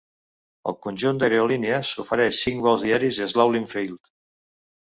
El conjunt d'aerolínies ofereix cinc vols diaris a Sloulin Field.